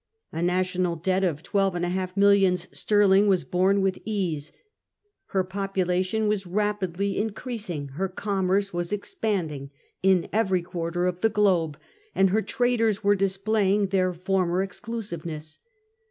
A national debt of twelve and a half millions sterling was borne with ease. H er popu lation was rapidly increasing ; her commerce was expand ing in every quarter of the globe, and her traders were displaying their former exclusiveness.